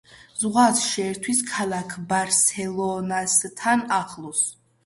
ზღვას შეერთვის ქალაქ ბარსელონასთან ახლოს.